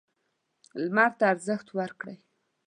لمر ته ارزښت ورکړئ.